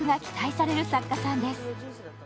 さる作家さんです。